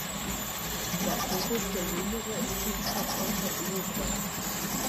Jakobus der Jüngere ist Schutzpatron von Uruguay.